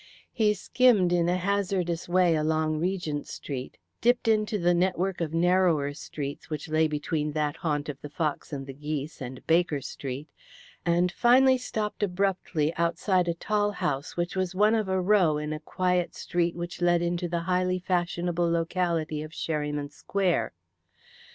He skimmed in a hazardous way along Regent Street, dipped into the network of narrower streets which lay between that haunt of the fox and the geese and Baker Street, and finally stopped abruptly outside a tall house which was one of a row in a quiet street which led into the highly fashionable locality of Sherryman Square.